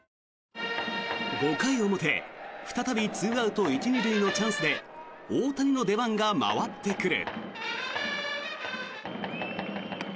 ５回表、再び２アウト１・２塁のチャンスで大谷の出番が回ってくる。